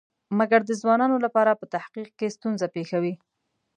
مګر د ځوانانو لپاره په تحقیق کې ستونزه پېښوي.